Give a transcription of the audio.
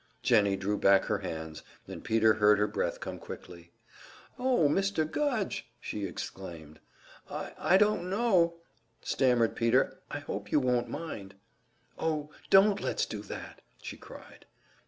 Jennie drew back her hands, and Peter heard her breath come quickly. "Oh, Mr. Gudge!" she exclaimed. "I I don't know " stammered Peter. "I hope you won't mind." "Oh, don't let's do that!" she cried.